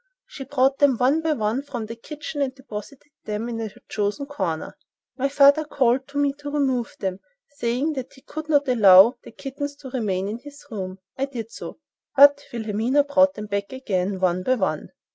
She brought them one by one from the kitchen and deposited them in her chosen corner. My father called to me to remove them, saying that he could not allow the kittens to remain in his room. I did so, but Williamina brought them back again, one by one.